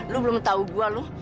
lo belum tahu gue lo